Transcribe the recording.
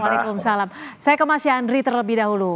waalaikumsalam saya ke mas yandri terlebih dahulu